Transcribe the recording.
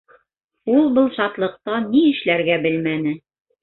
Ул был шатлыҡтан ни эшләргә белмәне.